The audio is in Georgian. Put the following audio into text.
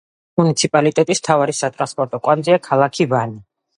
მუნიციპალიტეტის მთავარი სატრანსპორტო კვანძია ქალაქი ვანი.